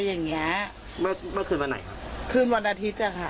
อย่างเงี้ยเมื่อเมื่อคืนวันไหนครับคืนวันอาทิตย์อ่ะค่ะ